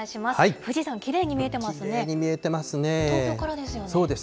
富士山、きれいに見えてますね。